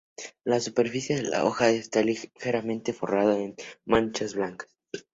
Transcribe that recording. La superficie de la hoja está ligeramente forrada de manchas blancas.